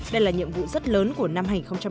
đây là nhiệm vụ rất lớn của năm hai nghìn một mươi tám